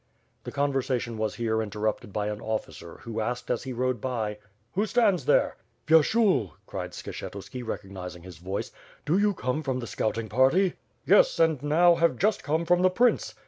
The conversation was here interrupted by an officer who, asked as he rode by: 'Who stands there?" ^^yershul," cried Skshetuski, recognizing his voice. "Do you come from the scouting party?" "Yes, and now have just come from the prince."